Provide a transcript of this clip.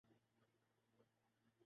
global warming کا آج کل تذکرہ عام